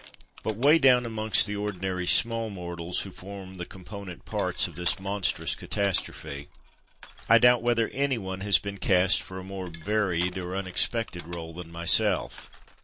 But, way down amongst the ordinary small mortals, who form the com ponent parts of this monstrous catastrophe, I doubt whether any one has been cast for a more varied or unexpected role than myself.